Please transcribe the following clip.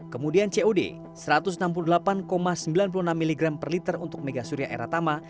kemudian cod satu ratus enam puluh delapan sembilan puluh enam mg per liter untuk mega surya eratama